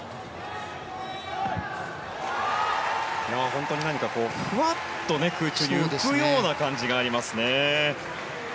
本当にふわっと空中に浮くような感じがありますね。